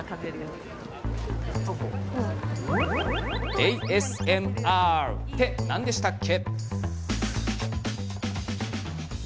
ＡＳＭＲって何でしたっけ？